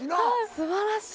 素晴らしい！